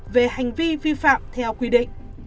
về hành vi vi phạm theo quy định